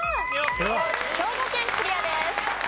兵庫県クリアです。